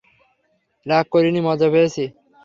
রাগ করি নি, মজা পেয়েছি।